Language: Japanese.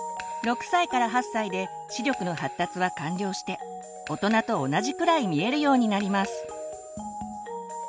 ６歳から８歳で視力の発達は完了して大人と同じくらい見えるようになります。